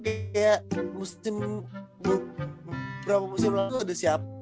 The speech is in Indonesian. kayak musim berapa musim lalu ada siapa